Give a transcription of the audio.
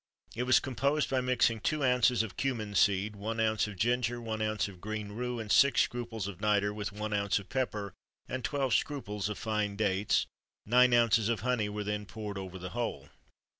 It was composed by mixing two ounces of cummin seed, one ounce of ginger, one ounce of green rue, and six scruples of nitre, with one ounce of pepper, and twelve scruples of fine dates; nine ounces of honey were then poured over the whole.